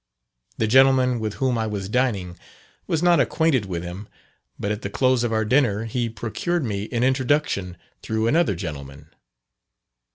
The gentleman with whom I was dining was not acquainted with him, but at the close of our dinner he procured me an introduction through another gentleman.